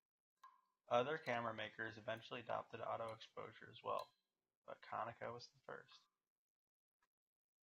Other camera makers eventually adopted auto-exposure as well, but Konica was the first.